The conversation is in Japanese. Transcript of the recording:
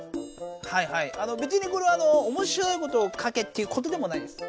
はいはいべつにこれはおもしろいことを書けっていうことでもないです。